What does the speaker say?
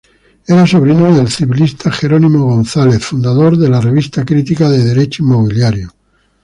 Era sobrino del civilista Jerónimo González, fundador de la "Revista Crítica de Derecho Inmobiliario".